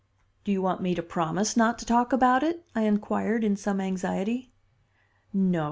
"Do you want me to promise not to talk about it?" I inquired in some anxiety. "No.